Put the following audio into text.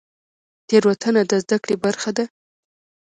تیروتنه د زده کړې برخه ده؟